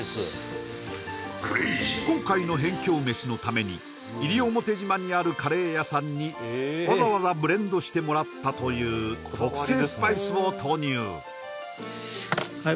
今回の辺境飯のために西表島にあるカレー屋さんにわざわざブレンドしてもらったという特製スパイスを投入はい